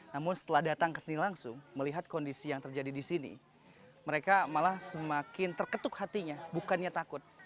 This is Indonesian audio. namun setelah datang ke sini langsung melihat kondisi yang terjadi di sini mereka malah semakin terketuk hatinya bukannya takut